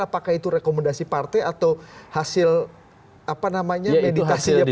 apakah itu rekomendasi partai atau hasil apa namanya meditasi presiden